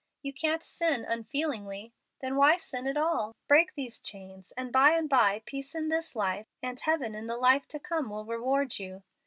You can't sin unfeelingly. Then why sin at all? Break these chains, and by and by peace in this life and heaven in the life to come will reward you."